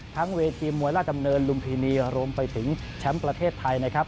เวทีมวยราชดำเนินลุมพินีรวมไปถึงแชมป์ประเทศไทยนะครับ